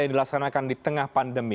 karena akan di tengah pandemi